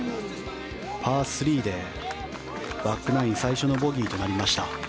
パー３でバックナイン最初のボギーとなりました。